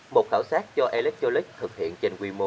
một thảo sát cho electrolux thực hiện trên quy mô bốn